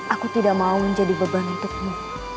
aku tidak mau menjadi beban untukmu